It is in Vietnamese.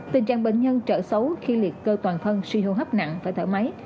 tình trạng bệnh nhân trở xấu khi liệt cơ toàn thân suy hô hấp nặng phải thở máy